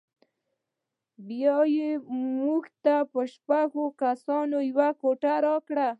بیا یې موږ ته په شپږو کسانو یوه کوټه راکړه.